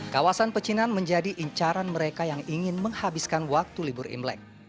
kawasan pecinan menjadi incaran mereka yang ingin menghabiskan waktu libur imlek